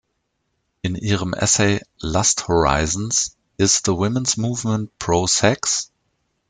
In ihrem Essay "Lust Horizons: Is the Women’s Movement Pro-Sex?